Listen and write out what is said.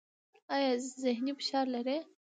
ایا ذهني فشار لرئ؟